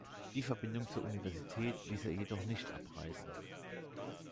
Die Verbindung zur Universität ließ er jedoch nicht abreißen.